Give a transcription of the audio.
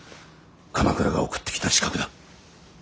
鎌倉が送ってきた刺客だ。